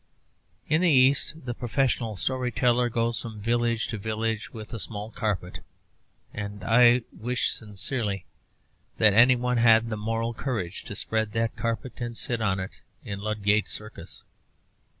In the East the professional story teller goes from village to village with a small carpet; and I wish sincerely that anyone had the moral courage to spread that carpet and sit on it in Ludgate Circus.